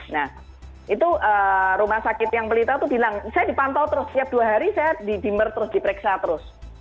nah itu rumah sakit yang pelita itu bilang saya dipantau terus setiap dua hari saya di dimmer terus diperiksa terus